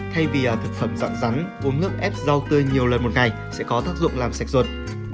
thay vì thực phẩm dọn rắn uống nước ép rau tươi nhiều lần một ngày sẽ có tác dụng làm sạch ruột